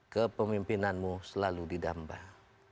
kepemimpinanmu selalu didambah